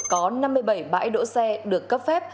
có năm mươi bảy bãi đỗ xe được cấp phép